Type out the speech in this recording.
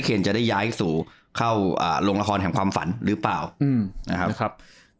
จะได้ย้ายสู่เข้าโรงละครแห่งความฝันหรือเปล่านะครับ